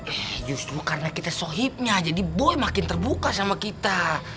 eh justru karena kita sohibnya jadi boy makin terbuka sama kita